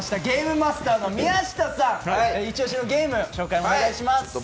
ゲームマスターの宮下さん、ゲームの紹介をお願いします。